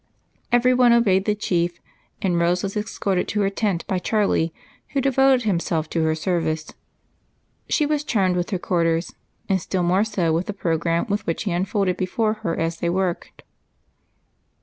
Every one obeyed the Chief, and Rose was escorted to her tent by Charlie, who devoted himself to her service. She was charmed with her quarters, and still more so with the programme which he unfolded before her as they worked.